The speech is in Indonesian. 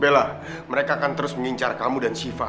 bela mereka akan terus mengincar kamu dan siva